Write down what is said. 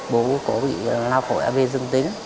bố có bị lao phổi av dương tính